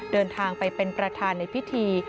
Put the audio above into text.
เดินทางไปเป็นประธานในพิธี